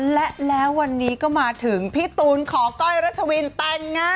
และแล้ววันนี้ก็มาถึงพี่ตูนขอก้อยรัชวินแต่งงาน